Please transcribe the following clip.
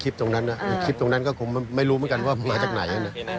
ตรงนั้นนะคลิปตรงนั้นก็คงไม่รู้เหมือนกันว่ามาจากไหน